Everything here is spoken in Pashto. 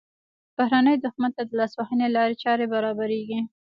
بهرني دښمن ته د لاسوهنې لارې چارې برابریږي.